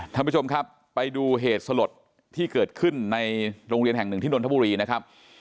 ท่านผู้ชมครับไปดูเหตุสลดที่เกิดขึ้นในโรงเรียนแห่งหนึ่งที่นนทบุรีนะครับ